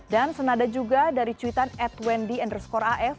dan senada juga dari cuitan ad wendy underscore af